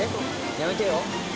やめてよ。